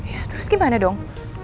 ya terus gimana dong